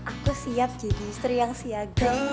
aku siap jadi istri yang siaga